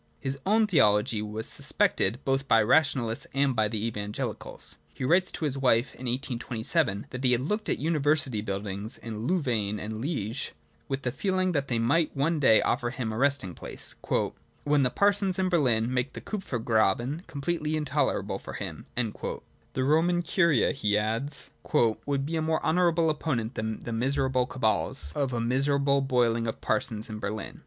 His own theology was suspected both by the Rationa lists and by the Evangelicals. He writes to his wife (in 1827) that he had looked at the university buildings in Louvain and Liege with the feeling that they might one day afford him a resting place ' when the parsons in Berlin make the Kupfergraben completely intolerable for him^' 'The Roman Curia,' he adds, 'would be a more honourable opponent than the miserable cabals of a miserable boiling of parsons in Berlin.'